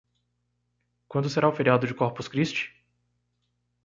Quando será o feriado de Corpus Christi?